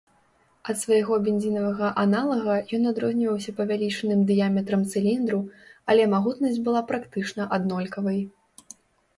Ад свайго бензінавага аналага ён адрозніваўся павялічаным дыяметрам цыліндру, але магутнасць была практычна аднолькавай.